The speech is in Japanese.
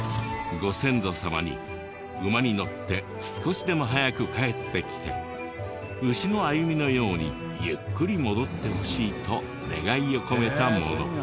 ご先祖様に馬に乗って少しでも早く帰ってきて牛の歩みのようにゆっくり戻ってほしいと願いを込めたもの。